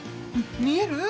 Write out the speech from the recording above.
見える？